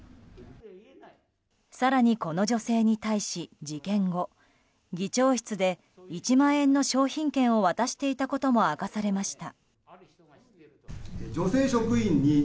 更に、この女性に対し事件後議長室で１万円の商品券を渡していたことも明かされました。